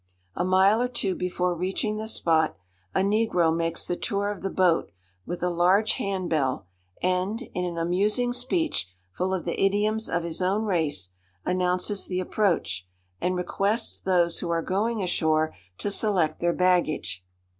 A mile or two before reaching the spot, a negro makes the tour of the boat, with a large hand bell, and, in an amusing speech, full of the idioms of his own race, announces the approach, and requests those who are going ashore to select their baggage.